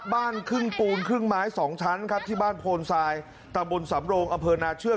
บ้านครึ่งปูนครึ่งไม้สองชั้นครับที่บ้านโพนทรายตะบนสำโรงอำเภอนาเชือก